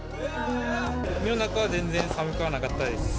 海の中は全然寒くはなかったです。